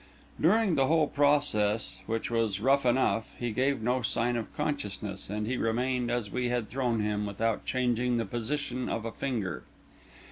During the whole process, which was rough enough, he gave no sign of consciousness, and he remained, as we had thrown him, without changing the position of a finger.